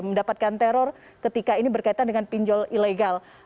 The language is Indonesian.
mendapatkan teror ketika ini berkaitan dengan pinjol ilegal